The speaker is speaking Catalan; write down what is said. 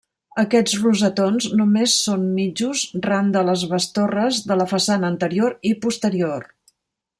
Aquests rosetons només són mitjos ran de les bestorres de la façana anterior i posterior.